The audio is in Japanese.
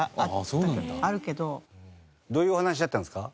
どういうお話だったんですか？